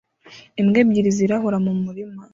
Imbwa ebyiri zirahura mu murima